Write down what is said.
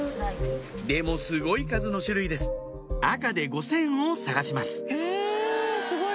でもすごい数の種類です赤で「５０００」を探します・すごい数！